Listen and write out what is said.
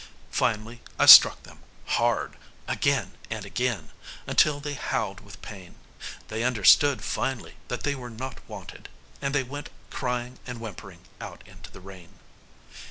Finally, I struck them hard again and again until they howled with pain. They understood finally that they were not wanted and they went crying and whimpering out into the rain.